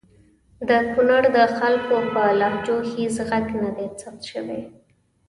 د کنړ د خلګو په لهجو هیڅ ږغ ندی ثبت سوی!